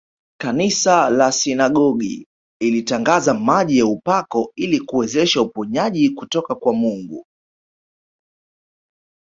Kanisa la sinagogi ilitangaza maji ya upako ili kuwezesha uponyaji kutoka kwa Mungu